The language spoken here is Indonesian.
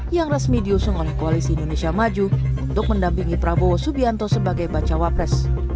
yang resmi diusung oleh koalisi indonesia maju untuk mendampingi prabowo subianto sebagai bacawa pres